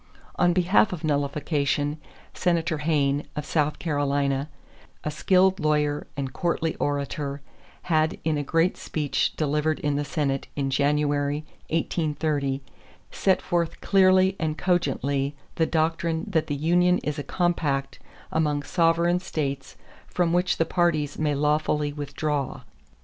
On behalf of nullification, Senator Hayne, of South Carolina, a skilled lawyer and courtly orator, had in a great speech delivered in the Senate in January, 1830, set forth clearly and cogently the doctrine that the union is a compact among sovereign states from which the parties may lawfully withdraw.